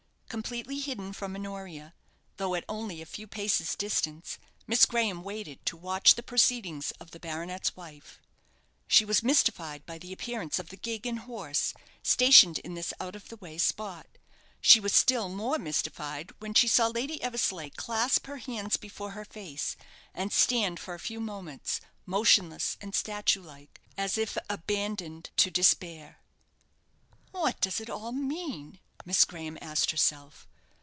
Completely hidden from Honoria, though at only a few paces' distance, Miss Graham waited to watch the proceedings of the baronet's wife. She was mystified by the appearance of the gig and horse, stationed in this out of the way spot. She was still more mystified when she saw Lady Eversleigh clasp her hands before her face, and stand for a few moments, motionless and statue like, as if abandoned to despair. "What does it all mean?" Miss Graham asked herself.